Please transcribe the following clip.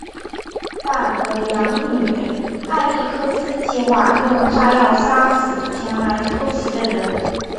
但本的养女艾莉克斯计划用炸药杀死前来偷袭的人。